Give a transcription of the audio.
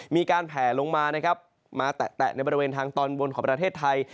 มีการแผลลงมานะครับมาแตะในบริเวณทางตอนบนของประเทศไทย